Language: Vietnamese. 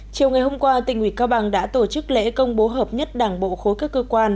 chiều ngày hôm qua tỉnh ủy cao bằng đã tổ chức lễ công bố hợp nhất đảng bộ khối các cơ quan